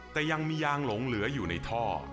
แต่ยังมียางหลงเหลืออยู่ในท่อ